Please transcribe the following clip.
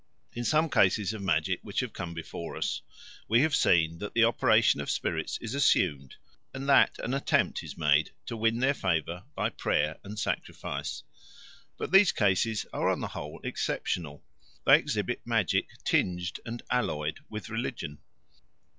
In some cases of magic which have come before us we have seen that the operation of spirits is assumed, and that an attempt is made to win their favour by prayer and sacrifice. But these cases are on the whole exceptional; they exhibit magic tinged and alloyed with religion.